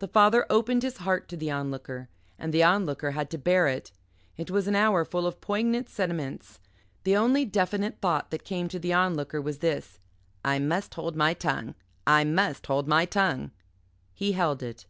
The father opened his heart to the Onlooker and the Onlooker had to bear it. It was an hour full of poignant sentiments. The only definite thought that came to the Onlooker was this "I must hold my tongue. I must hold my tongue." He held it.